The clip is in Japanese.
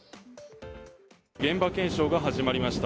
現場検証が始まりました。